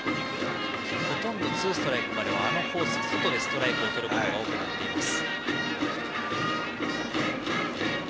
ほとんどツーストライクまではあのコース、外でストライクをとることが多くなっています。